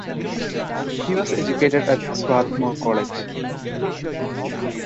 He was educated at Swarthmore College.